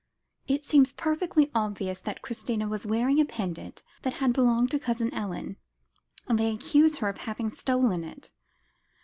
It seems perfectly obvious, that Christina was wearing a pendant that had belonged to Cousin Ellen; and they accuse her of having stolen it."